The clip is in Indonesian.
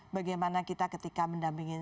bagaimana kita ketika mendampingi